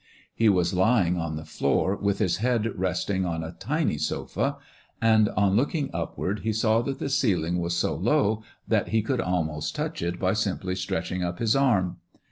He was lying on the floor with his head resting on a tiny sofa, and on looking upward he saw that the ceiling was so low that he could almost touch it by simply stretch ing up his arm.